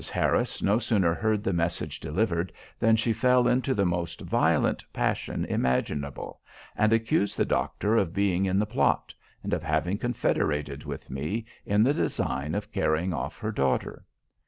Harris no sooner heard the message delivered than she fell into the most violent passion imaginable, and accused the doctor of being in the plot, and of having confederated with me in the design of carrying off her daughter.